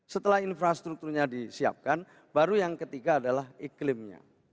setelah infrastrukturnya disiapkan baru yang ketiga adalah iklimnya